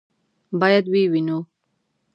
باید ویې وینو.